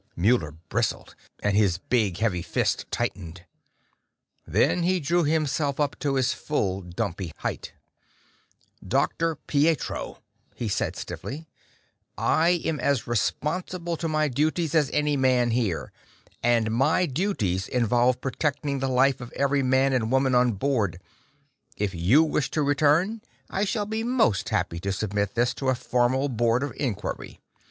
Muller bristled, and big heavy fist tightened. Then he drew himself up to his full dumpy height. "Dr. Pietro," he said stiffly, "I am as responsible to my duties as any man here and my duties involve protecting the life of every man and woman on board; if you wish to return, I shall be most happy to submit this to a formal board of inquiry.